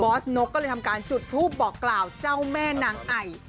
สนกก็เลยทำการจุดทูปบอกกล่าวเจ้าแม่นางไอ